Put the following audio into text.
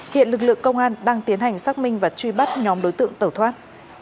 hiện lực lượng công an đang tiến hành xác minh và truy bắt nhóm đối tượng tẩu thoát